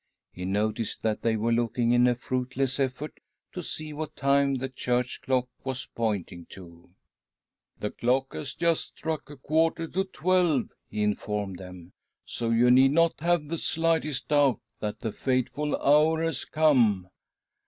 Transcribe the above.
He noticed that they were looking in a fruitless effort to see what time the church clock was pointing to. " The clock has just struck a quarter to twelve," he informed them, " so you need not have the 'slightest doubt that the fateful hour has come.